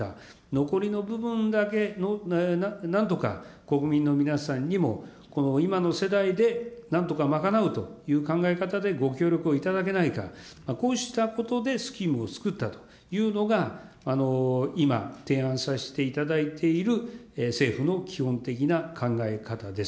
残りの部分だけ、なんとか国民の皆さんにも、今の世代でなんとか賄うという考え方で、ご協力をいただけないか、こうしたことでスキームをつくったというのが、今、提案させていただいている、政府の基本的な考え方です。